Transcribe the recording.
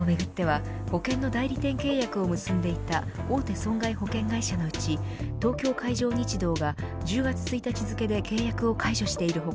ビッグモーターをめぐっては保険の代理店契約を結んでいた大手損害保険会社のうち東京海上日動が１０月１日付で契約を解除している他